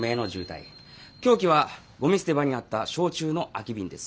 凶器はゴミ捨て場にあった焼酎の空き瓶です。